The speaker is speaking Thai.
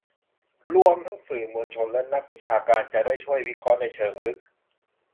รวมทั้งสื่อมวลชน และ นักวิชาการจะได้ช่วยวิเคราะห์ในเชิงลึก